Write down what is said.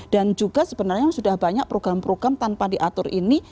dan juga sebenarnya sudah banyak program program tanpa diatur ini